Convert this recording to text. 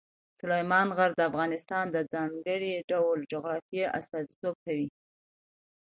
سلیمان غر د افغانستان د ځانګړي ډول جغرافیه استازیتوب کوي.